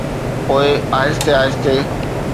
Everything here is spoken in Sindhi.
پوءِ آهستي آهستي.